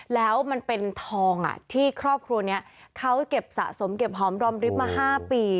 แล้วมันเป็นทองที่ครอบครัวนี้เขาเก็บสะสมเก็บหอมรอมริบมา๕ปี